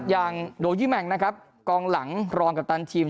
อย่างโดยี่แมงนะครับกองหลังรองกัปตันทีม